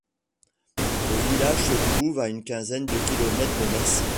Le village se trouve à une quinzaine de kilomètres de Metz.